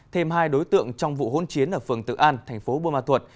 thêm hai đối tượng trong vụ hôn chiến ở phường tự an tp buôn ma thuật